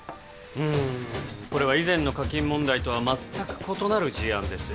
うんこれは以前の課金問題とは全く異なる事案です